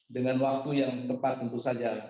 dengan waktu yang tepat tentu saja